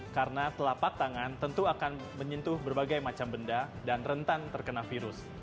karena telapak tangan tentu akan menyentuh berbagai macam benda dan rentan terkena virus